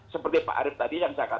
seperti pak arief tadi yang saya katakan